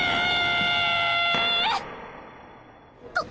あっ？